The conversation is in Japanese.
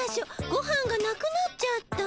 ごはんがなくなっちゃった。